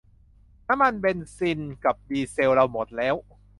น้ำมันเบนซิลกับดีเซลเราหมดแล้ว